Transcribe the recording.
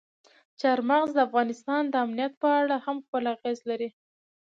چار مغز د افغانستان د امنیت په اړه هم خپل اغېز لري.